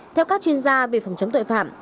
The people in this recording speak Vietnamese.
theo các chuyên gia về phòng chống tội phạm